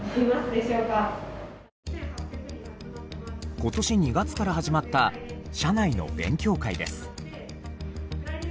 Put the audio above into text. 今年２月から始まった社内の勉強会です。